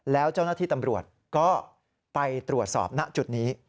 แล้วเจ้าหน้าที่ตำรวจก็ไปตรวจสอบณจุดนี้